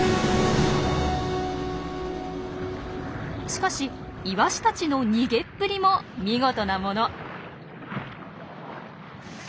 しかしイワシたちの逃げっぷりも見事なもの。